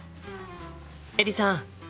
エリさん。